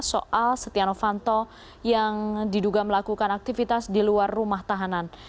soal setia novanto yang diduga melakukan aktivitas di luar rumah tahanan